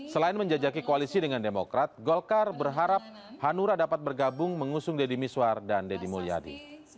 selain menjajaki koalisi dengan demokrat golkar berharap hanura dapat bergabung mengusung deddy miswar dan deddy mulyadi